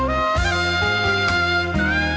จะใช้หรือไม่ใช้ครับ